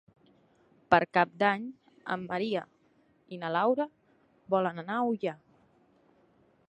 Per Cap d'Any en Maria i na Laura volen anar a Ullà.